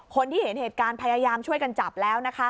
เห็นเหตุการณ์พยายามช่วยกันจับแล้วนะคะ